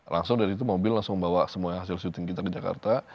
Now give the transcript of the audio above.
langsung dari itu mobil membawa semua hasil syuting kita ke jakarta